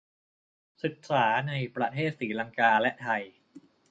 ศึกษาในประเทศศรีลังกาและไทย